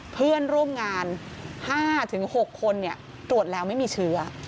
เพื่อนร่วมงาน๕๖คนตรวจแล้วไม่มีเชื้อ